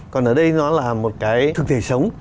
còn ở đây nó là một cái thực thể sống